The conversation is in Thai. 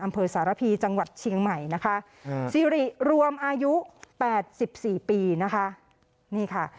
อำเภอสารพีจังหวัดเชียงใหม่นะคะซิริรวมอายุ๘๔ปีนะคะนี่ค่ะ